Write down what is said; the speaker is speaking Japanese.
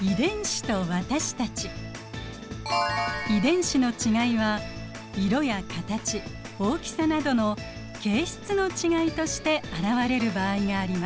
遺伝子の違いは色や形大きさなどの形質の違いとして現れる場合があります。